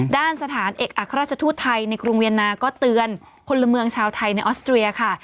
ด้านสถานเอกอัครราชทูตไทยในกรุงเวียนนาก็เตือนพลเมืองชาวไทยในออสเตรียค่ะ